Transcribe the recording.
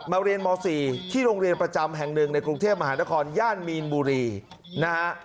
เรียนม๔ที่โรงเรียนประจำแห่งหนึ่งในกรุงเทพมหานครย่านมีนบุรีนะฮะ